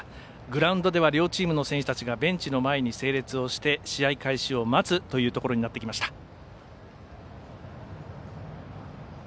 グラウンドでは両チームの選手たちがベンチの前に整列をして試合開始を待つというところになってきました。